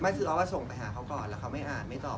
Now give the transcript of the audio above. ออฟส่งไปหาเขาก่อนแล้วเขาไม่อ่านไม่ตอบ